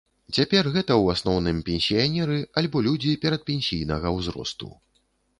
Цяпер гэта ў асноўным пенсіянеры альбо людзі перадпенсійнага ўзросту.